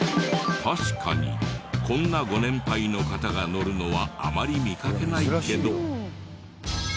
確かにこんなご年配の方が乗るのはあまり見かけないけど。